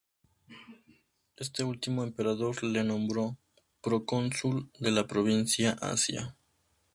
Este último emperador le nombró procónsul de la provincia Asia.